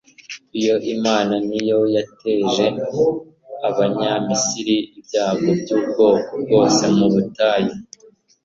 iyo mana ni yo yateje abanyamisiri ibyago by'ubwoko bwose mu butayu